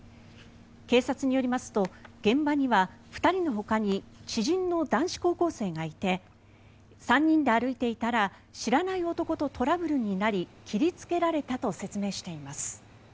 警察によりますと現場には２人のほかに知人の男子高校生がいて３人で歩いていたら知らない男とトラブルになり切りつけられたと説明しています。